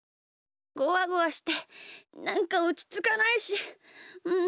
ゴワゴワしてなんかおちつかないしちょっといたい。